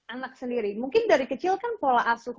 anak sendiri mungkin dari kecil kan pola asuh